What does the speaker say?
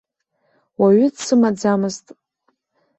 Уаҩы дсымаӡамызт!